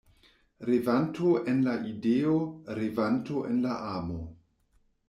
Revanto en la ideo, revanto en la amo.